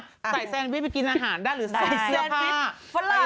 ใส่แซนวิชไปกินอาหารได้หรือใส่เสื้อผ้า